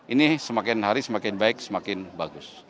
ini semakin hari semakin baik semakin bagus